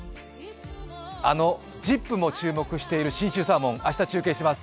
あの、「ＺＩＰ！」も注目している信州サーモン、明日中継します。